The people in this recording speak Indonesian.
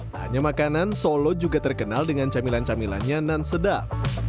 hanya makanan solo juga terkenal dengan camilan camilannya nan sedap